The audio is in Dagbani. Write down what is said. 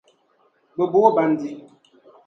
Bɛ ba o bandi.